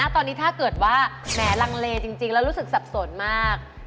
ตอนนี้ถ้าเกิดว่าแหมลังเลจริงแล้วรู้สึกสับสนมาก